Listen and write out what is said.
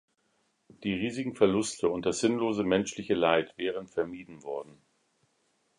Die riesigen Verluste und das sinnlose menschliche Leid wären vermieden worden.